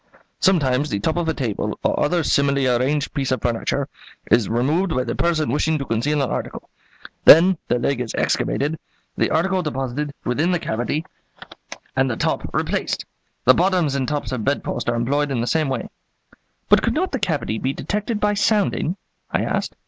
"Sometimes the top of a table or other similarly arranged piece of furniture is removed by the person wishing to conceal an article; then the leg is excavated, the article deposited within the cavity, and the top replaced. The bottoms and tops of bedposts are employed in the same way." "But could not the cavity be detected by sounding?" I asked.